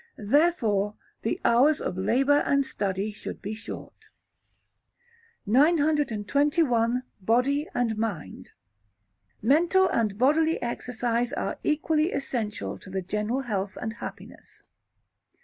Therefore, the hours of labour and study should be short. 921. Body and Mind. Mental and bodily exercise are equally essential to the general health and happiness.